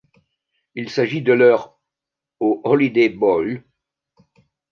Il s'agit de leur au Holiday Bowl.